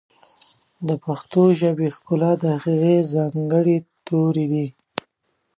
د پښتو ژبې ښکلا د هغې ځانګړي توري دي.